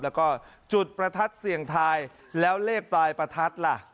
แล้วก็จุดประทัดเสี่ยงทายแล้วเลขปลายประทัดล่ะ